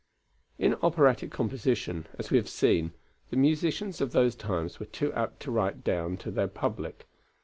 In operatic composition, as we have seen, the musicians of those times were too apt to write down to their public.